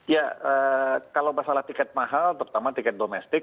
ya kalau masalah tiket mahal terutama tiket domestik